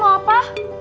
kalian mau apa